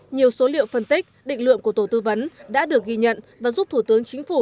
nhiều số liệu phân tích định lượng của tổ tư vấn đã được ghi nhận và giúp thủ tướng chính phủ